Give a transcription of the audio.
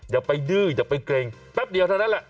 อย่าไปดื้ออย่าไปเกรงแป๊บเดียวเท่านั้นแหละ